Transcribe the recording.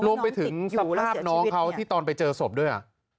รวมไปถึงสภาพน้องเขาที่ตอนไปเจอศพด้วย